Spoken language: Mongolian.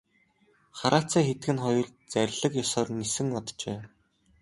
Хараацай хэдгэнэ хоёр зарлиг ёсоор нисэн оджээ.